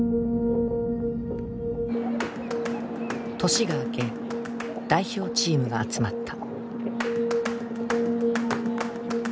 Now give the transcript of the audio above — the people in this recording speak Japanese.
年が明け代表チームが集まった。